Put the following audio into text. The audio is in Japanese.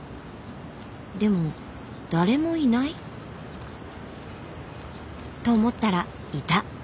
でも誰もいない？と思ったらいた。